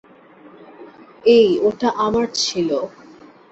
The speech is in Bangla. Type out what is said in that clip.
এই, ওটা আমার ছিল!